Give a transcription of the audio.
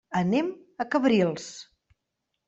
Anem a Cabrils.